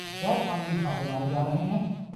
کیا روشن ہو جاتی تھی گلی جب یار ہمارا گزرے تھا